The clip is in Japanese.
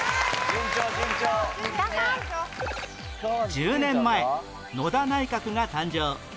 １０年前野田内閣が誕生